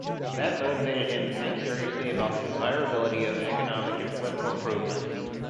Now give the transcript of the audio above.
That motivated him to think seriously about the desirability of economic and political improvement.